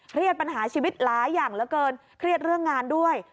ปัญหาชีวิตหลายอย่างเหลือเกินเครียดเรื่องงานด้วย